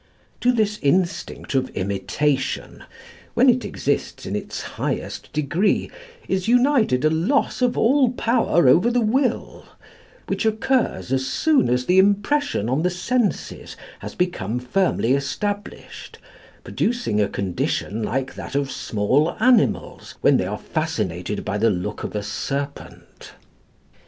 To this instinct of imitation, when it exists in its highest degree, is united a loss of all power over the will, which occurs as soon as the impression on the senses has become firmly established, producing a condition like that of small animals when they are fascinated by the look of a serpent.